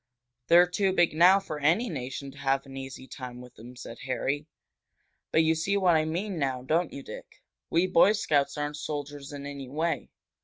"They're too big now for any nation to have an easy time with them," said Harry. "But you see what I mean now, don't you, Dick? We Boy Scouts aren't soldiers in any way.